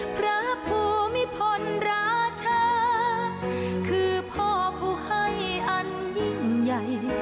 พระภูมิพลราชาคือพ่อผู้ให้อันยิ่งใหญ่